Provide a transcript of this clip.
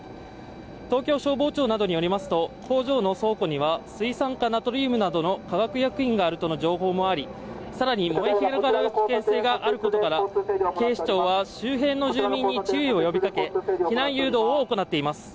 東京消防庁などによりますと工場の倉庫には水酸化ナトリウムなどの化学薬品があるとの情報もありさらに危険性があることから警視庁は周辺の住民に注意を呼びかけ避難誘導を行っています